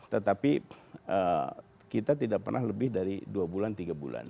tetapi kita tidak pernah lebih dari dua bulan tiga bulan